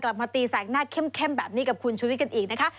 มาตีแสกหน้าเข้มแบบนี้กับคุณชุวิตกันอีกนะคะ